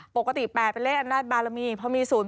ปกติ๘เป็นเลขอำนาจบารมีเพราะมี๐ปุ๊บ